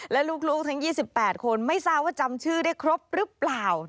และลูกทั้ง๒๘คนไม่ทราบว่าจำชื่อได้ครบหรือเปล่า